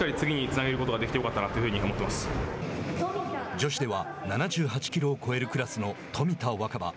女子では、７８キロを超えるクラスの冨田若春。